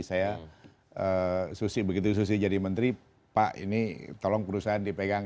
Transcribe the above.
saya begitu susi jadi menteri pak ini tolong perusahaan dipegang